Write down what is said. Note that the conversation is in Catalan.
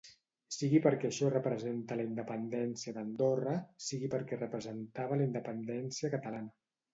Sigui perquè això representa la independència d'Andorra, sigui perquè representava la independència catalana.